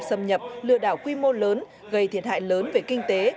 xâm nhập lừa đảo quy mô lớn gây thiệt hại lớn về kinh tế